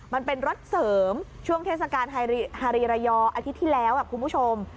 มันเป็นรถเสริมช่วงเทศกาลฮารีระยออาทิตย์ที่แล้วคุณผู้ชม